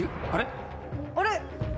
「あれ？」